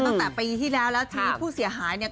ตั้งแต่ปีที่แล้วแล้วทีนี้ผู้เสียหายเนี่ย